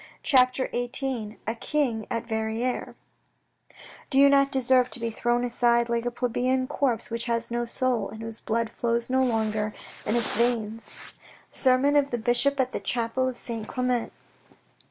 CHAPTER XVIII A KING AT VERRIRES Do you not deserve to be thrown aside like a plebeian corpse which has no soul and whose blood flows no longer in its veins. Sermon oj the Bishop at the Chapel of Saint Clement.